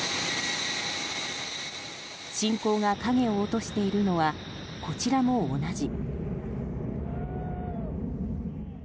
侵攻が影を落としているのはこちらも同じ。